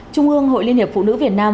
trung ương hội liên hiệp phụ nữ việt nam